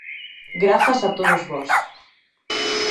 Grazas a todos vós!